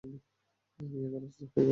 আমি এখন সস্তা হয়ে গেলাম?